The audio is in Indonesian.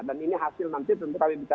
dan ini hasil nanti tentu kami bicarakan